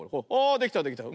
あできたできた。